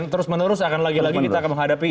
terus menerus akan lagi lagi kita akan menghadapi